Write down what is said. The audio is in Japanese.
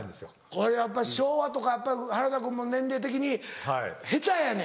これやっぱり昭和とか原田君も年齢的に下手やねん。